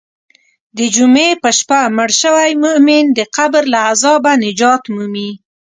د جمعې په شپه مړ شوی مؤمن د قبر له عذابه نجات مومي.